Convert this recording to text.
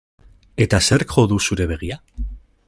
Eta zerk jo du zure begia?